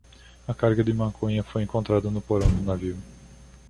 A carga de maconha foi encontrada no porão do navio